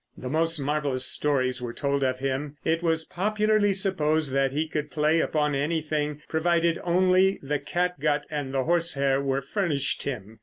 The most marvelous stories were told of him. It was popularly supposed that he could play upon anything, provided only the catgut and the horsehair were furnished him.